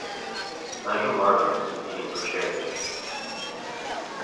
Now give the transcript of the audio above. Nigel Marven was competing for charity.